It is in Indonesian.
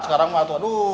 sekarang pak tuh aduh